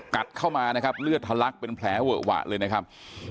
กัดเข้ามานะครับเลือดทะลักเป็นแผลเวอะหวะเลยนะครับ